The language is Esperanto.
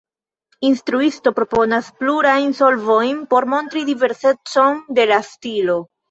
Instruisto proponas plurajn solvojn por montri diversecon de la stilo.